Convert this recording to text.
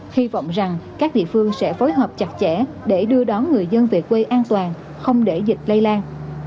hy vọng rằng các địa phương sẽ phối hợp chặt chẽ để đưa đón người dân về quê an toàn không để dịch lây lan